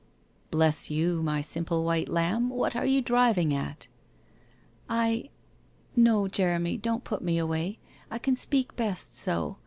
' Bless you, my simple white lamb, what are you driv ing at ?'' I — no, Jeremy, don't put me away, I can speak best so.